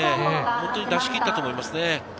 出し切ったと思いますね。